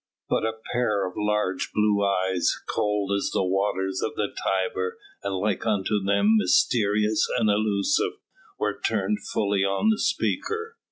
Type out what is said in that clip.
But a pair of large blue eyes, cold as the waters of the Tiber and like unto them mysterious and elusive, were turned fully on the speaker.